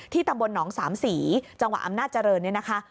ตำบลหนองสามศรีจังหวัดอำนาจเจริญเนี่ยนะคะ